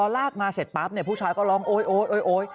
ลากมาเสร็จปั๊บเนี่ยผู้ชายก็ลองโอ๊ยโอ๊ยโอ๊ย